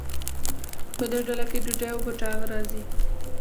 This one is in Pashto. په دې ډله کې ډوډۍ او بوټان راځي.